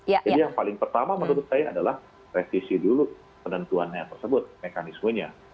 jadi yang paling pertama menurut saya adalah resisi dulu penentuan mekanismenya